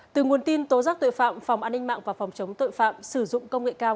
từ nguồn tin tố giác tội phạm phòng an ninh mạng và phòng chống tội phạm sử dụng công nghệ cao